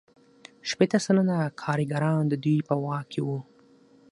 شپیته سلنه کارګران د دوی په واک کې وو